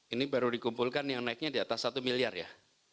ini baru dikumpulkan yang naiknya di atas satu miliar ya